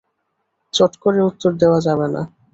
চট করে উত্তর দেওয়া যাবে না।